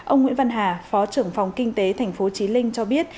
ông nguyễn văn hà phó trưởng phòng kinh tế thành phố trí linh cho biết